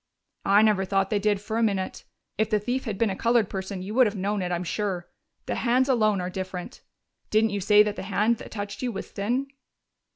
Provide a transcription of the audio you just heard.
"I never thought they did, for a minute. If the thief had been a colored person, you would have known it, I'm sure. The hands alone are different. Didn't you say that the hand that touched you was thin?"